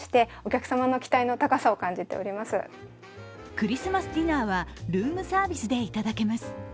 クリスマスディナーはルームサービスでいただけます。